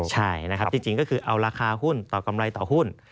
ใช่นะครับจริงก็คือเอาราคาหุ้นต่อกำไรต่อหุ้น